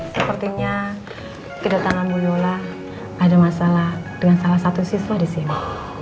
sepertinya kedatangan muyola ada masalah dengan salah satu siswa di sini